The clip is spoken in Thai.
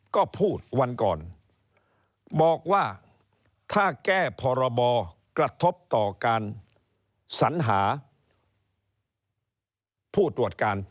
ก็พูดวันก่อนบอกว่าถ้าแก้พรบกระทบต่อการสัญหาผู้ตรวจการ